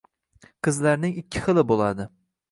Qizlarning ikki xili bo'ladi